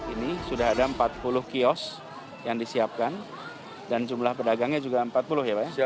ini sudah ada empat puluh kios yang disiapkan dan jumlah pedagangnya juga empat puluh ya pak